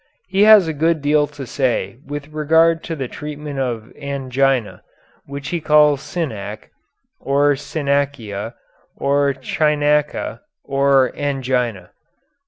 He has a good deal to say with regard to the treatment of angina, which he calls synanche, or synanchia, or cynanche, or angina.